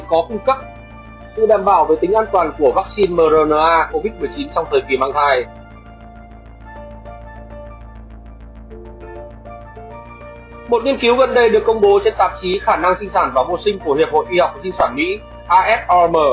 của hiệp hội y học sinh sản mỹ afrm